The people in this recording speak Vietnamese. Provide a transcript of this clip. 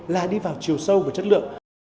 là đi vào chiều sâu của chất lượng